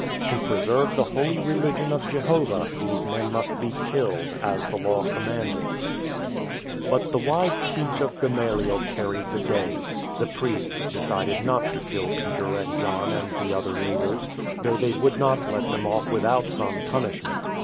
To preserve the holy religion of Jehovah these men must be killed, as the Law commanded. SCOURGE OF THE NAZARENES 69 But the wise speech of Gamaliel carried the day. The priests decided not to kill Peter and John and the other leaders, though they would not let them off without some punishment.